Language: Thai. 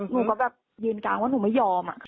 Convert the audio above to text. หนูก็แบบยืนกลางว่าหนูไม่ยอม